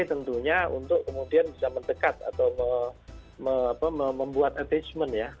tentunya untuk kemudian bisa mendekat atau membuat attachment ya